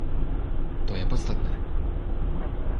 To je podstatné.